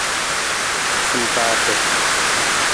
Sampaapa.